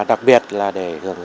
đặc biệt là để hưởng dụng